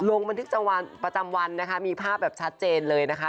ลงบันทึกประจำวันนะคะมีภาพแบบชัดเจนเลยนะคะ